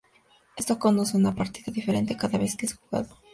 Esto conduce a una partida diferente cada vez que es jugado.